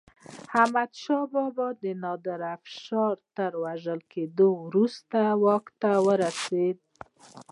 احمدشاه بابا د نادر افشار تر وژل کېدو وروسته واک ته ورسيد.